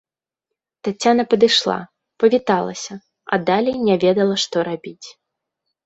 Таццяна падышла, павіталася, а далей не ведала, што рабіць.